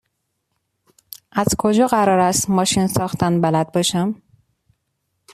از کجا قرار است ماشین ساختن بلد باشم؟